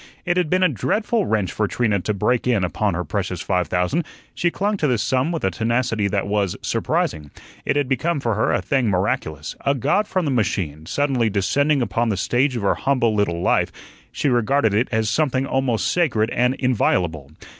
It had been a dreadful wrench for Trina to break in upon her precious five thousand. She clung to this sum with a tenacity that was surprising; it had become for her a thing miraculous, a god from the machine, suddenly descending upon the stage of her humble little life; she regarded it as something almost sacred and inviolable.